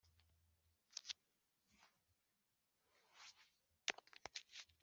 Turikiya yahawe icyemezo cyo gufata amafoto ku rwibutso rwa Kigali ku Gisozi